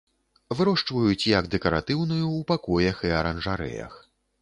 Вырошчваюць як дэкаратыўную ў пакоях і аранжарэях.